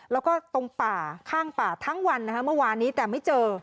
แล้วก็ตรงป่าข้างป่าทั้งวันนะคะเมื่อวานนี้แต่ไม่เจอ